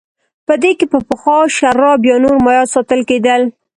په دې کې به پخوا شراب یا نور مایعات ساتل کېدل